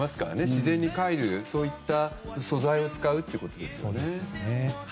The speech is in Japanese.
自然にかえる、そういった素材を使うってことですね。